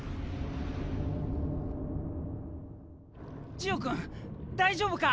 ジオ君大丈夫か？